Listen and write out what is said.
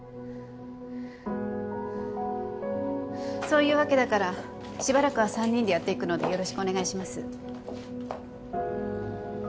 そういうわけだからしばらくは３人でやっていくのでよろしくお願いします。